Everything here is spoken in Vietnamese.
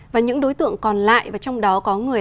và những đối tượng còn lại và trong đó có người